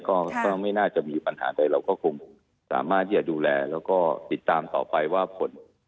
ก็ไม่น่าจะมีปัญหาใดเราก็คงสามารถที่จะดูแลแล้วก็ติดตามต่อไปว่าผล